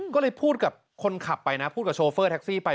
ก็เลยพูดกับคนขับไปนะพูดกับโชเฟอร์แท็กซี่ไป